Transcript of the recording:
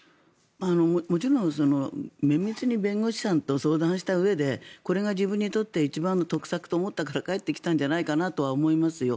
もちろん、綿密に弁護士さんと相談したうえでこれが自分にとって一番の得策と思ったから帰ってきたんじゃないかなとは思いますよ。